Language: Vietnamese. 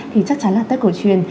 thì chắc chắn là tết cổ truyền